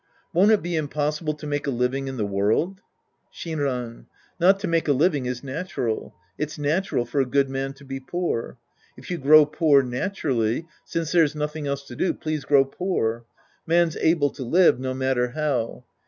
Won't it be impossible to make a living in the world ? Shinran. Not to make a living is natural. It's natural for a good man to be poor. If you grow poor naturally, since there's nothing else to do, please grow poor. Man's able to live, no matter how.